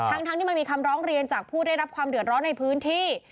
ทั้งที่มันมีคำร้องเรียนจากผู้ได้รับความเดือดร้อนในพื้นที่